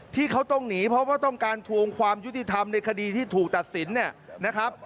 ที่เขาต้องหนีเพราะว่าต้องการทวงความยุติธรรมในคดีที่ถูกตัดสินเนี่ยนะครับ